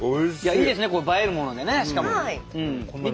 いいですね映えるものでねしかも。